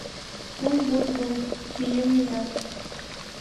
Буль-буль-буль — мием мыят.